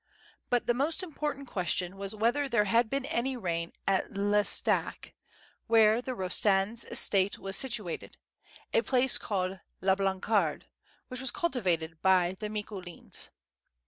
But the most important question was whether there had been any rain at L'Estaque, where the Ros tands' estate was situated, a place called La Blancarde, which was cultivated by the Micoulins.